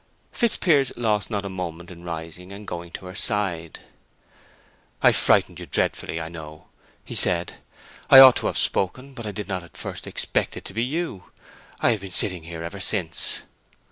Fitzpiers lost not a moment in rising and going to her side. "I frightened you dreadfully, I know," he said. "I ought to have spoken; but I did not at first expect it to be you. I have been sitting here ever since."